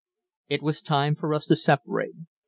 It was time for us to separate.